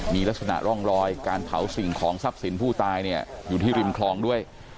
มีลักษณะร่องรอยการเผาสิ่งของทรัพย์สินผู้ตายเนี่ยอยู่ที่ริมคลองด้วย